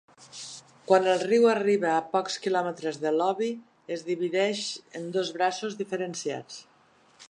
Quan el riu arriba a pocs quilòmetres de l'Obi es divideix en dos braços diferenciats.